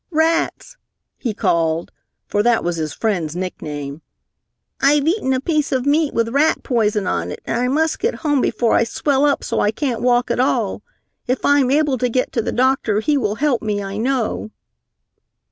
Rats," he called, for that was his friend's nickname, "I've eaten a piece of meat with rat poison on it, and I must get home before I swell up so I can't walk at all. If I am able to get to the doctor, he will help me, I know."